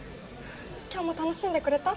今日も楽しんでくれた？